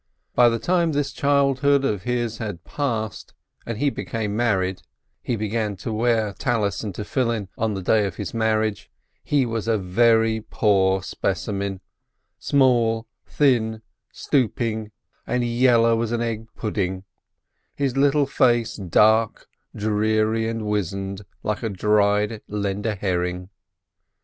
By the time this childhood of his had passed, and he came to be married (he began to wear the phylacteries and the prayer scarf on the day of his marriage), he was a very poor specimen, small, thin, stooping, and yellow as an egg pudding, his little face dark, dreary, and weazened, like a dried Lender herring.